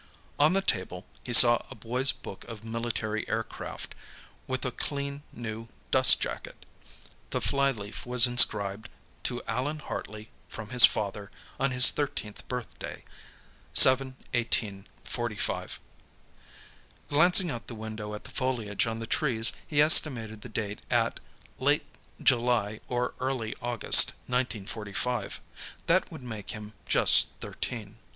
On the table, he saw a boys' book of military aircraft, with a clean, new dustjacket; the flyleaf was inscribed: To Allan Hartley, from his father, on his thirteenth birthday, 7/18 '45. Glancing out the window at the foliage on the trees, he estimated the date at late July or early August, 1945; that would make him just thirteen.